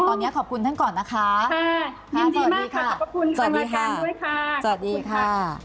ตอนนี้ขอบคุณท่านก่อนนะคะยินดีมากค่ะขอบคุณค่ะสวัสดีค่ะด้วยค่ะสวัสดีค่ะ